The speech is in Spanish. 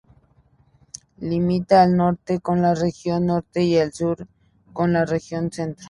Limita al norte con la Región Norte y al sur con la Región Centro.